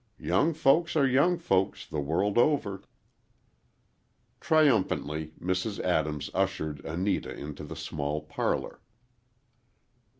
"Young folks are young folks, the world over." Triumphantly, Mrs. Adams ushered Anita into the small parlor.